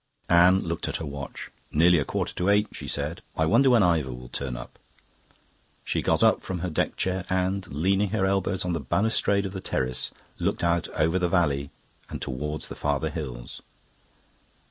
Anne looked at her watch. "Nearly a quarter to eight," she said. "I wonder when Ivor will turn up." She got up from her deck chair and, leaning her elbows on the balustrade of the terrace, looked out over the valley and towards the farther hills.